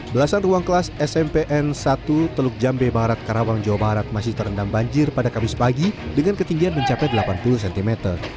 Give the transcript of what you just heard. belasan ruang kelas smpn satu teluk jambe barat karawang jawa barat masih terendam banjir pada kamis pagi dengan ketinggian mencapai delapan puluh cm